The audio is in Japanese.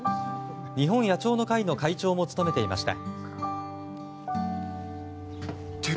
日本野鳥の会の会長も務めていました。